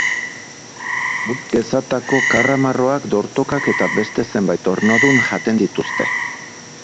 Ur gezatako karramarroak, dortokak eta beste zenbait ornodun jaten dituzte.